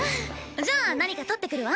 じゃあ何か取ってくるわ。